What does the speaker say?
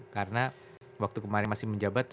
karena waktu kemarin masih menjabat